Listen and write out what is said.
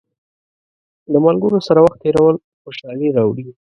د ملګرو سره وخت تېرول خوشحالي راوړي.